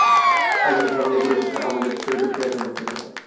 আয়োজনে সারা বাংলা পরিবর্তনের আহ্বান যাতে ছড়িয়ে পড়ে, সেই আশাও ব্যক্ত করা হয়।